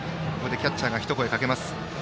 キャッチャーが一声かけます。